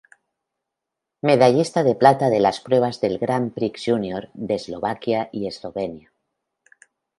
Medallista de plata de las pruebas del Grand Prix Júnior de Eslovaquia y Eslovenia.